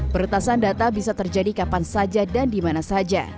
pertasan data bisa terjadi kapan saja dan di mana saja